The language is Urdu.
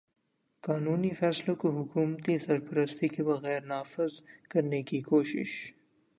قانونی فیصلوں کو حکومتی سرپرستی کے بغیر نافذ کرنے کی کوشش